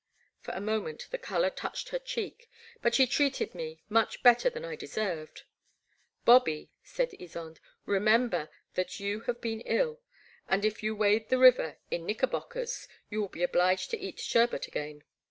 For a moment the colour touched her cheek, but she treated me much better than I de served. Bobby," said Ysonde, "remember that you have been ill, and if you wade the river in knick erbockers you will be obliged to eat sherbert again."